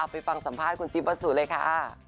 ไปฟังสัมภาษณ์คุณจิ๊บวัสสุเลยค่ะ